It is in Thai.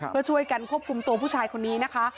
เพื่อช่วยกันควบคุมตัวผู้ชายคนนี้นะคะ